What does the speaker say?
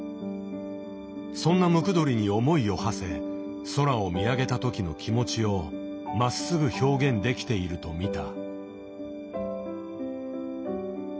そんなムクドリに思いをはせ空を見上げたときの気持ちをまっすぐ表現できていると見た。